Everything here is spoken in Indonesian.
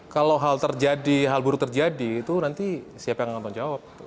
kalau hal terjadi hal buruk terjadi itu nanti siapa yang akan jawab